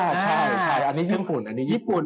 ใช่อันนี้ญี่ปุ่นอันนี้ญี่ปุ่น